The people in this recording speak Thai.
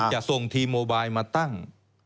ที่จะส่งทีมโมไบล์มาตั้ง